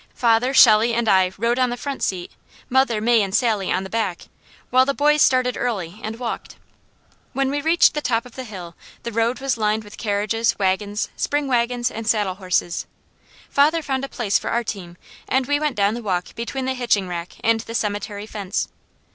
Father, Shelley, and I rode on the front seat, mother, May, and Sally on the back, while the boys started early and walked. When we reached the top of the hill, the road was lined with carriages, wagons, spring wagons, and saddle horses. Father found a place for our team and we went down the walk between the hitching rack and the cemetery fence.